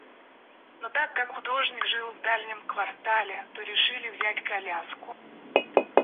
Но так как художник жил в дальнем квартале, то решили взять коляску.